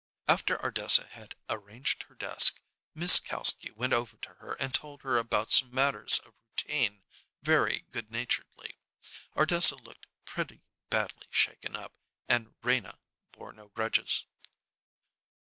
After Ardessa had arranged her desk, Miss Kalski went over to her and told her about some matters of routine very good naturedly. Ardessa looked pretty badly shaken up, and Rena bore no grudges.